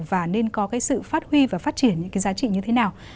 và nên có cái sự phát huy và phát triển những cái giá trị như thế nào